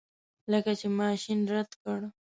لکه چې ماشین رد کړ.